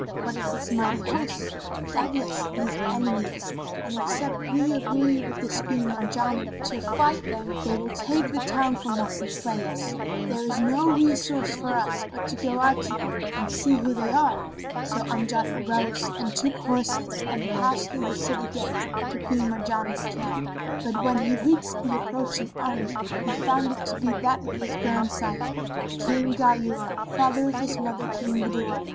What is this mighty host? Doubtless, these are enemies, and except we agree with this Queen Marjanah to fight them, they will take the town from us and slay us. There is no resource for us but to go out to them and see who they are." So Amjad arose and took horse and passed through the city gate to Queen Marjanah's camp; but when he reached the approaching army he found it to be that of his grand sire, King Ghayur, father of his mother Queen Budur.